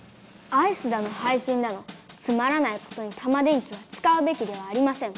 アイスだのはいしんだのつまらないことにタマ電Ｑはつかうべきではありません。